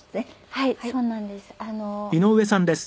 はいそうなんです。